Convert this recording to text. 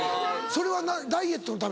それはダイエットのために？